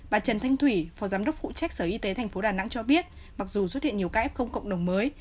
bà trần thanh thủy phó giám đốc phụ trách sở y tế tp đà nẵng cho biết mặc dù xuất hiện nhiều ca f cộng đồng mới